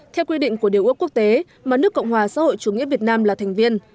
theo quy định của điều ước quốc tế mà nước cộng hòa xã hội chủ nghĩa việt nam là thành viên